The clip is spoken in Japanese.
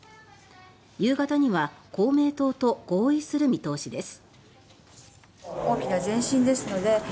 夕方には、公明党と合意する見通しです。